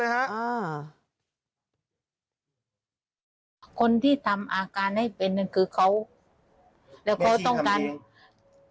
แล้วเขาต้องการแม่ชีทำเอง